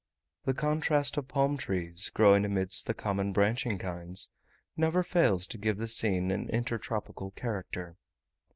The contrast of palm trees, growing amidst the common branching kinds, never fails to give the scene an intertropical character.